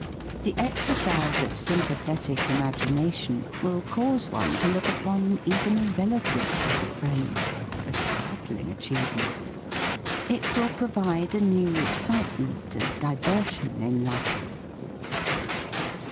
The exercise of sympathetic imagination will cause one to look upon even a relative as a friend — a startling achievement! It will provide a new excitement and diversion in life.